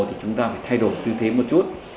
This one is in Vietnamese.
thì chúng ta phải thay đổi tư thế một chút